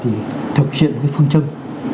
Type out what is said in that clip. đó là thực hiện phương chân